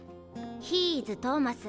ヒーイズトーマス！